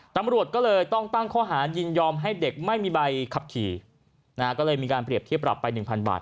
ตำรวจก็เลยต้องตั้งข้อหายินยอมให้เด็กไม่มีใบขับขี่นะฮะก็เลยมีการเปรียบเทียบปรับไป๑๐๐บาท